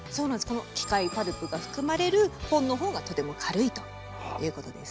この機械パルプが含まれる本のほうがとても軽いということです。